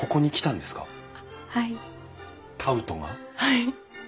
はい。